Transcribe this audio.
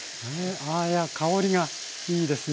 あいや香りがいいですね。